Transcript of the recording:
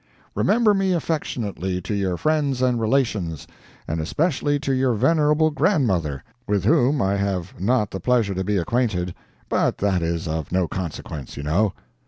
Remember me affectionately to your friends and relations, and especially to your venerable grand mother, with whom I have not the pleasure to be acquainted—but that is of no consequence, you know.